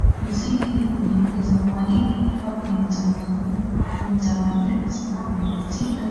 msingi ni kujiuliza kwanini hip hop ni utamaduni Ni utamaduni kwasababu ni mtindo